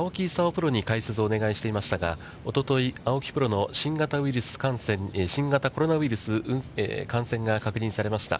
プロに解説をお願いしていましたが、おととい、青木プロの新型コロナウイルス感染が確認されました。